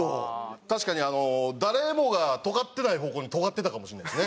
確かに誰もがとがってない方向にとがってたかもしれないですね。